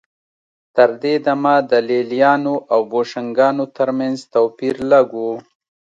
تر دې دمه د لېلیانو او بوشنګانو ترمنځ توپیر لږ و